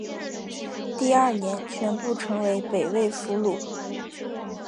第二年全部成为北魏俘虏。